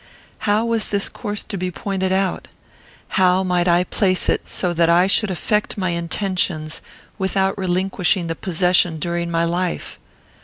How was this course to be pointed out? How might I place it, so that I should effect my intentions without relinquishing the possession during my life?